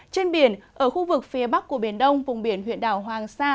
trên biển ở khu vực phía bắc của biển đông vùng biển huyện đảo hoàng sa